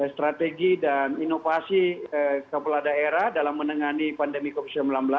strategi dan inovasi kepala daerah dalam menangani pandemi covid sembilan belas